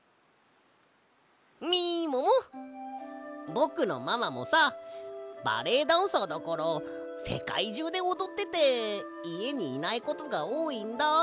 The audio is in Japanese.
ぼくのママもさバレエダンサーだからせかいじゅうでおどってていえにいないことがおおいんだ。